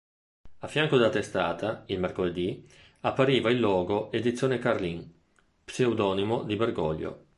A fianco della testata, il mercoledì, appariva il logo "Edizione Carlin", pseudonimo di Bergoglio.